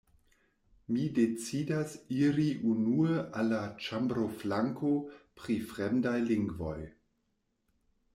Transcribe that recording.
Mi decidas iri unue al la ĉambroflanko pri fremdaj lingvoj.